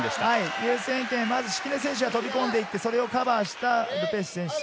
優先権、まず敷根選手が飛び込んでいってかわした、ル・ペシュ選手。